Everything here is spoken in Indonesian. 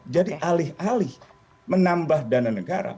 jadi alih alih menambah dana negara